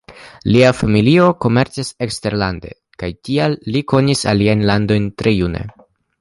Lia familio komercis eksterlande, kaj tial li konis aliajn landojn tre june.